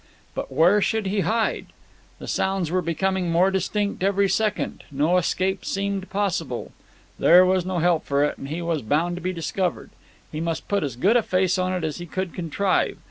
But where should he hide? The sounds were becoming more distinct every second; no escape seemed possible. There was no help for it, and he was bound to be discovered; he must put as good a face on it as he could contrive.